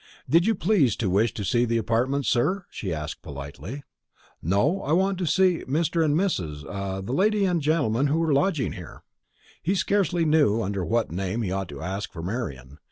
"Did you please to wish to see the apartments, sir?" she asked politely. "No; I want to see Mr. and Mrs. the lady and gentleman who are lodging here." He scarcely knew under what name he ought to ask for Marian.